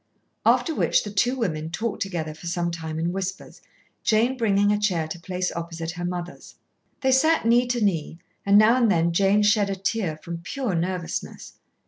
After which the two women talked together for some time in whispers, Jane bringing a chair to place opposite her mother's. They sat knee to knee, and now and then Jane shed a tear from pure nervousness.